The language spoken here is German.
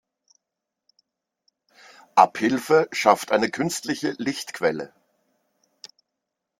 Abhilfe schafft eine künstliche Lichtquelle.